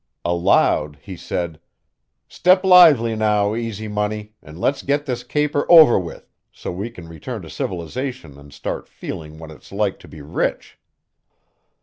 Aloud, he said, "Step lively now, Easy Money, and let's get this caper over with so we can return to civilization and start feeling what it's like to be rich."